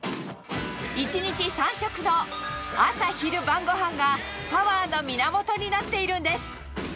１日３食の朝昼晩ごはんがパワーの源になっているんです。